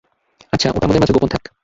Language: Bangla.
আচ্ছা, এটা আমাদের মাঝে গোপন থাক।